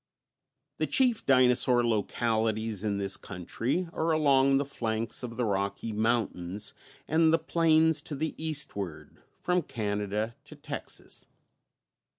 _ The chief dinosaur localities in this country are along the flanks of the Rocky Mountains and the plains to the eastward, from Canada to Texas.